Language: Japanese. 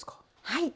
はい。